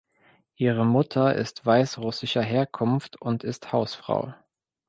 Ihre Mutter ist weißrussischer Herkunft und ist Hausfrau.